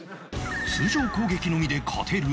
通常攻撃のみで勝てる？